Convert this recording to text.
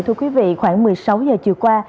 thưa quý vị khoảng một mươi sáu giờ chiều qua